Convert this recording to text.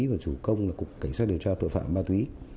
và chủ công là cục cảnh sát điều tra tội phạm ma túy